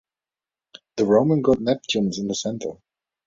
The Roman god Neptune is in the center.